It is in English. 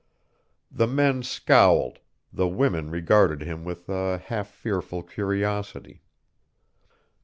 The men scowled, the women regarded him with a half fearful curiosity.